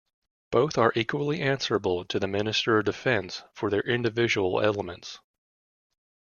Both are equally answerable to the Minister of Defence for their individual elements.